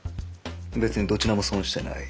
別にどちらも損してない。